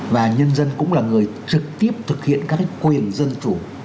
và nhân dân cũng là người trực tiếp thực hiện các quyền dân chủ